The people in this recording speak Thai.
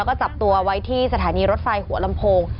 ก็จับตัวไว้ที่สถานีรถไฟหัวลำโพง